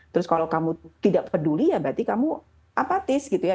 terus kalau kamu tidak peduli ya berarti kamu apatis gitu ya